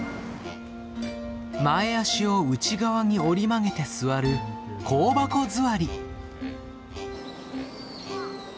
前足を内側に折り曲げて座る香箱座り。